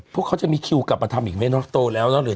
พวกเขาจะมีคิวกลับมาทำอีกไหมโตแล้วหรือ